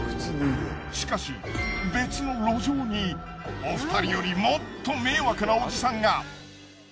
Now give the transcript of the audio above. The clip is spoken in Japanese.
しかし別の路上にお二人よりもっと迷惑なオジサンが！